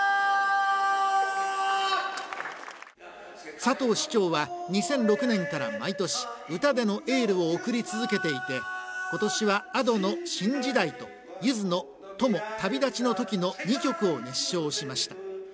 佐藤市長は２００６年から毎年、歌でのエールを贈り続けていて今年は、Ａｄｏの「新時代」とゆずの「友旅立ちの時」の２曲を熱唱しました。